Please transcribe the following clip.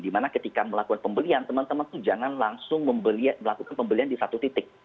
dimana ketika melakukan pembelian teman teman itu jangan langsung melakukan pembelian di satu titik